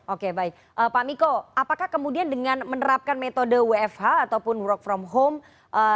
oke baik pak miko apakah kemudian dengan menerapkan metode wfh ataupun work from home